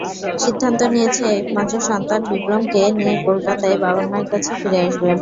সিদ্ধান্ত নিয়েছে একমাত্র সন্তান বিক্রমকে নিয়ে কলকাতায় বাবা-মায়ের কাছে ফিরে আসবে।